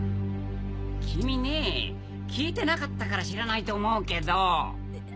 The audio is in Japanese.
君ねぇ聞いてなかったから知らないと思うけど。